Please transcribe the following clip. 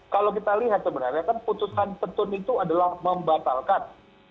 kalau kita lihat sebenarnya kan putusan petun itu adalah membatalkan